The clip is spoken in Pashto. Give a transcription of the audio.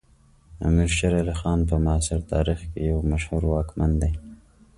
امیر شیر علی خان په معاصر تاریخ کې یو مشهور واکمن دی.